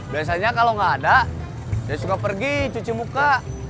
biasanya kalau gak ada dia suka pergi cuci muka